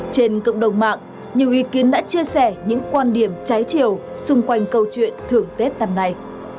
trên cộng đồng mạng nhiều ý kiến đã chia sẻ những quan điểm trái chiều xung quanh câu chuyện thưởng tết năm nay